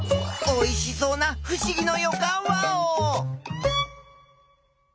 おいしそうなふしぎのよかんワオ！